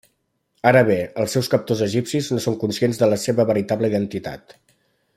Ara bé, els seus captors egipcis no són conscients de la seva veritable identitat.